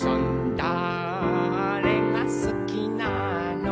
「だれがすきなの」